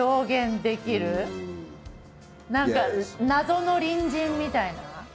何か謎の隣人みたいな。